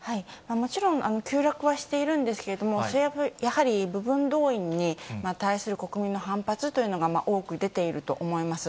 もちろん、急落はしているんですけれども、それはやはり部分動員に対する国民の反発というのが多く出ていると思います。